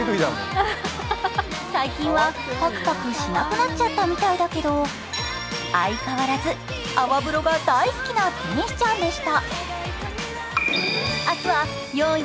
最近はパクパクしなくなっちゃったみたいだけど、相変わらず、泡風呂が大好きな天使ちゃんでした。